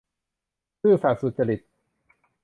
ซื่อสัตย์สุจริต